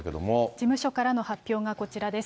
事務所からの発表がこちらです。